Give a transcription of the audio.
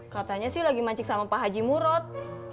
katanya sih lagi mancik sama pak haji murod